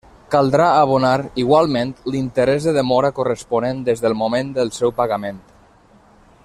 Caldrà abonar, igualment, l'interès de demora corresponent des del moment del seu pagament.